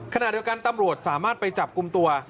ขณะเดียวกันตำรวจสามารถไปจับกลุ่มตัว